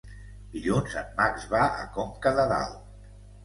Dilluns en Max va a Conca de Dalt.